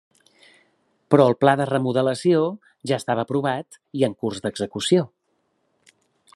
Però el Pla de Remodelació ja estava aprovat i en curs d'execució.